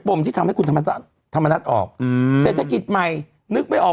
มที่ทำให้คุณธรรมนัฐออกเศรษฐกิจใหม่นึกไม่ออก